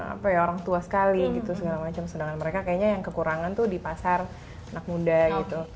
apa ya orang tua sekali gitu segala macam sedangkan mereka kayaknya yang kekurangan tuh di pasar anak muda gitu